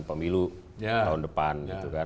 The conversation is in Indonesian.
pemilu tahun depan